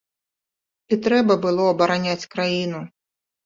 І трэба было абараняць краіну.